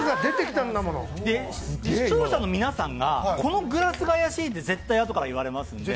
視聴者の皆さんが、このグラスが怪しいって絶対あとから言われますので。